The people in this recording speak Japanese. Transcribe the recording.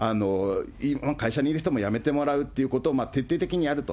会社にいる人も辞めてもらうっていうことを、徹底的にやると。